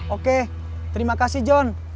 oke terima kasih john